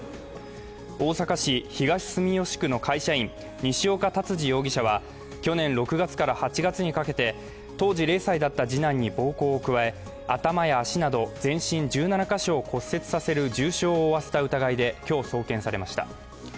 大阪市東住吉区の会社員、西岡竜司容疑者は、去年６月から８月にかけて、当時０歳だった次男に暴行を加え、頭や足など全身１７カ所を骨折させる重傷を負わせた疑いで今日、送検されました。